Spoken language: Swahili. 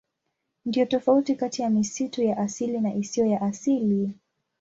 Ndiyo tofauti kati ya misitu ya asili na isiyo ya asili.